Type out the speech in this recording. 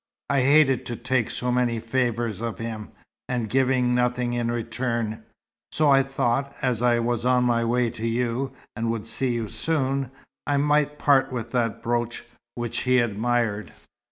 I hated to take so many favours of him, and give nothing in return; so I thought, as I was on my way to you and would soon see you, I might part with that brooch, which he admired.